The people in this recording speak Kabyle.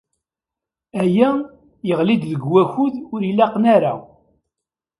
Aya yeɣli-d deg-wakud ur ilaqen ara.